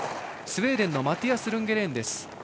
スウェーデンのマティアス・ルンゲレーン。